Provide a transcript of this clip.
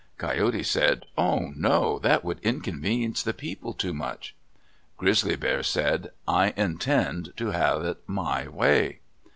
Coyote said, "Oh, no! That would inconvenience the people too much." Grizzly Bear said, "I intend to have it my way."